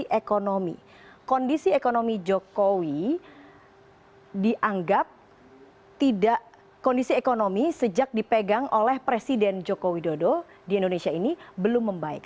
kondisi ekonomi kondisi ekonomi jokowi dianggap tidak kondisi ekonomi sejak dipegang oleh presiden joko widodo di indonesia ini belum membaik